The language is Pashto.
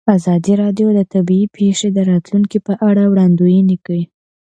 ازادي راډیو د طبیعي پېښې د راتلونکې په اړه وړاندوینې کړې.